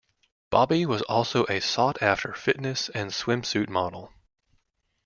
Bobbie was also a sought-after fitness and swimsuit model.